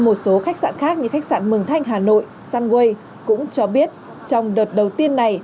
một số khách sạn khác như khách sạn mường thanh hà nội sunway cũng cho biết trong đợt đầu tiên này